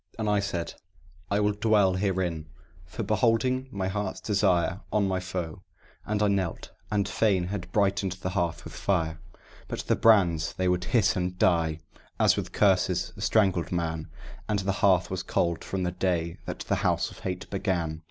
And I said, "I will dwell herein, for beholding my heart's desire On my foe;" and I knelt, and fain had brightened the hearth with fire; But the brands they would hiss and die, as with curses a strangled man, And the hearth was cold from the day that the House of Hate began.